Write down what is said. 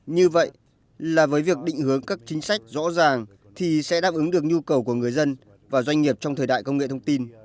như vậy là với việc định hướng các chính sách rõ ràng thì sẽ đáp ứng được nhu cầu của người dân và doanh nghiệp trong thời đại công nghệ thông tin